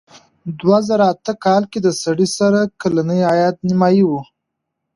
دوه زره اته کال کې د سړي سر کلنی عاید نیمايي و.